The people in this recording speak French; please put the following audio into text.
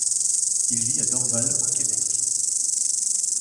Il vit à Dorval au Québec.